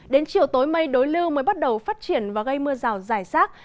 đến chiều tối mây đối lưu mới bắt đầu phát triển và gây mưa giảm